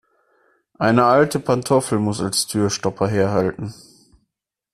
Eine alte Pantoffel muss als Türstopper herhalten.